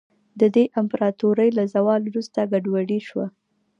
د دې امپراتورۍ له زوال وروسته ګډوډي شوه.